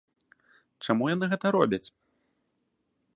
Чаму яны гэта робяць?